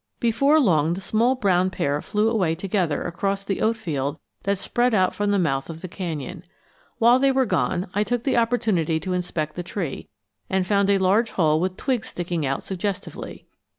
Before long the small brown pair flew away together across the oat field that spread out from the mouth of the canyon. While they were gone, I took the opportunity to inspect the tree, and found a large hole with twigs sticking out suggestively.